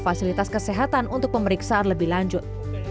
fasilitas kesehatan untuk pemeriksaan lebih lanjut